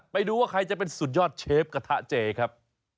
ไปดูว่าใครจะเป็นสุดยอดเชฟกระทะเจครับ